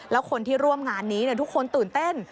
แล้วคนที่ร่วมงานนี้ทุกคนตื่นเต้น